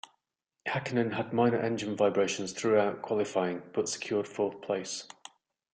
Hakkinen had minor engine vibrations throughout qualifying but secured fourth place.